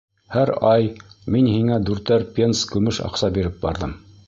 Һәр ай мин һиңә дүртәр пенс көмөш аҡса биреп барҙым.